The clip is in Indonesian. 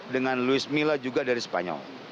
dengan luis mila juga dari spanyol